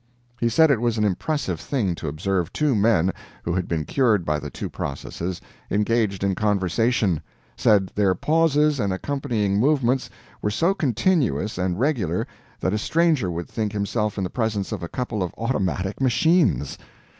He said it was an impressive thing to observe two men, who had been cured by the two processes, engaged in conversation said their pauses and accompanying movements were so continuous and regular that a stranger would think himself in the presence of a couple of automatic machines.